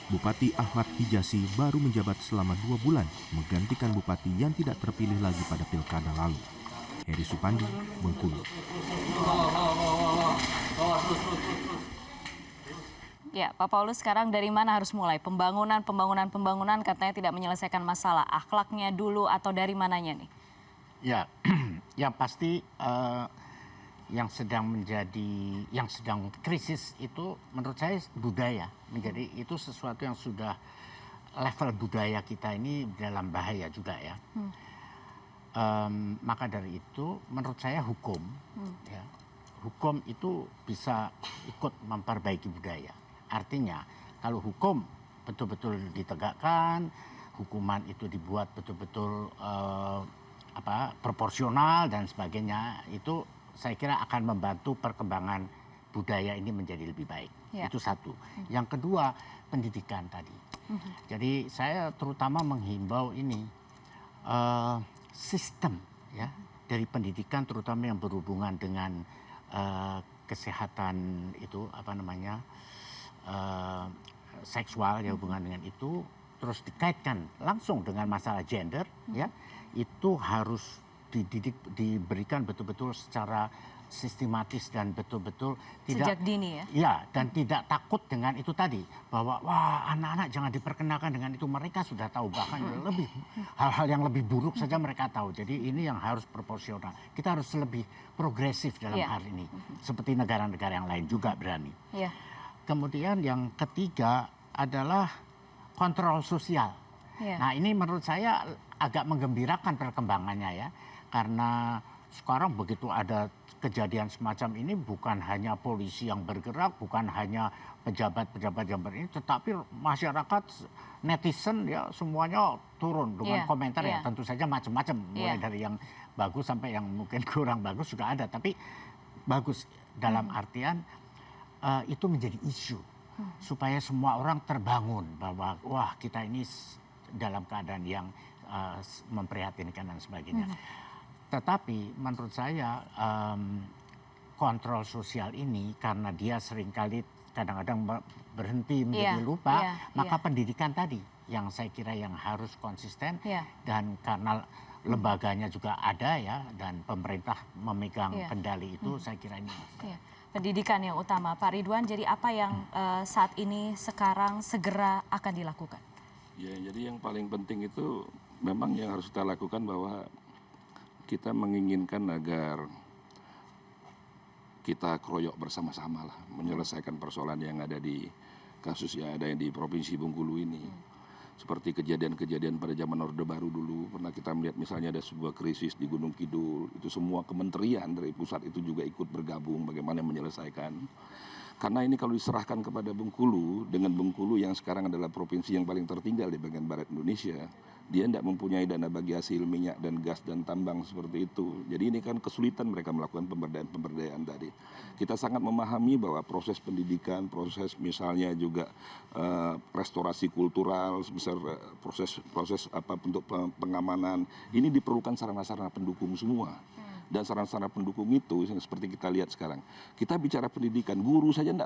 baik baik nanti setelah judah saya akan kembali kita membahas tentang kondisi sosial kemasyarakatan yang ada di sana ya pak ridwan pak agus